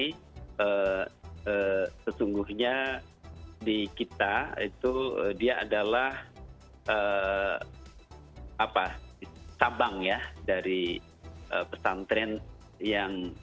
jadi sesungguhnya di kita itu dia adalah tabang ya dari pesantren yang